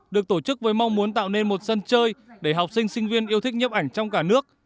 được tổ chức với mong muốn tạo nên một sân chơi để học sinh sinh viên yêu thích nhiếp ảnh trong cả nước